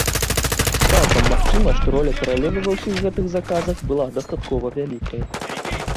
Цалкам магчыма, што роля каралевы ва ўсіх гэтых заказах была дастаткова вялікай.